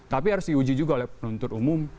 tapi harus diuji juga oleh penuntut umum